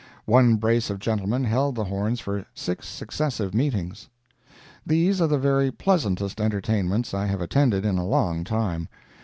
One brace of gentlemen held the horns for six successive meetings. These are the very pleasantest entertainments I have attended in a long time.